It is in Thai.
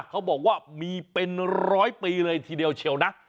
เขาบอกว่ามีเป็นร้อยปีเลยทีเดียวเชียวนะ